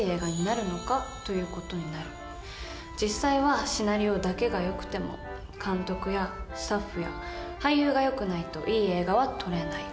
実際はシナリオだけがよくても監督やスタッフや俳優がよくないといい映画は撮れない。